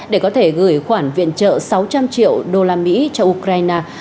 để có thể gửi khoản viện trợ sáu trăm linh triệu đô la mỹ cho ukraine